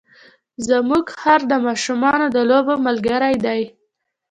زموږ خر د ماشومانو د لوبو ملګری دی.